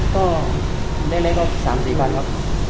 ก็เล่เละก็สามสี่บาทครับ